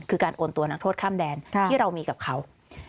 คือการโอนตัวนักโทษข้ามแดนที่เรามีกับเขา